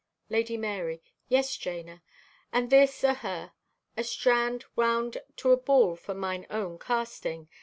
(Lady Marye) "Yea, Jana, and this o' her, a strand wound to a ball for mine own casting.